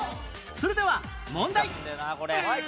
それでは問題